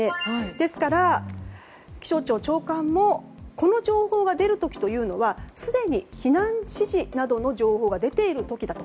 ですから、気象庁長官もこの情報が出る時というのはすでに避難指示などの情報が出ている時だと。